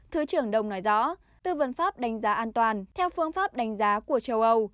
thứ trưởng đông nói rõ tư vấn pháp đánh giá an toàn theo phương pháp đánh giá của châu âu